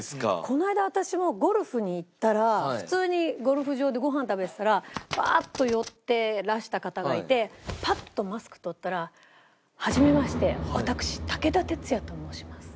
この間私もゴルフに行ったら普通にゴルフ場でごはん食べてたらバーッと寄っていらした方がいてパッとマスク取ったら「はじめまして私武田鉄矢と申します」。